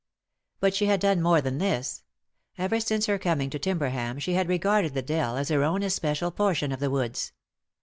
But she had done more than this. Ever since her coming to Timberham she had regarded the dell as her own especial portion of the woods.